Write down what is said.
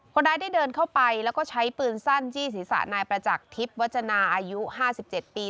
คนร้ายได้เดินเข้าไปแล้วก็ใช้ปืนสั้นจี้ศีรษะนายประจักษ์ทิพย์วัจจนาอายุ๕๗ปี